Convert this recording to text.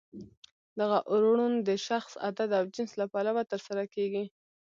دغه اوړون د شخص، عدد او جنس له پلوه ترسره کیږي.